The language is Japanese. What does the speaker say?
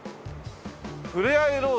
「ふれあいロード」。